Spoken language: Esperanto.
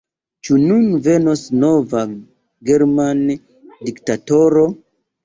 Ĉu nun venos nova germana diktatoro?